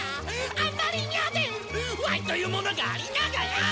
あんまりニャでワイというものがありながら！